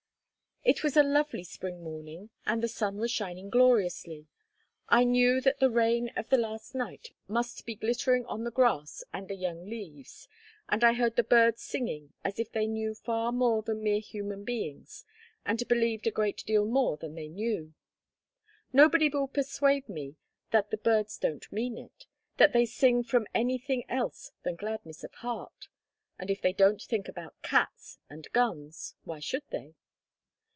It was a lovely spring morning, and the sun was shining gloriously. I knew that the rain of the last night must be glittering on the grass and the young leaves; and I heard the birds singing as if they knew far more than mere human beings, and believed a great deal more than they knew. Nobody will persuade me that the birds don't mean it; that they sing from any thing else than gladness of heart. And if they don't think about cats and guns, why should they?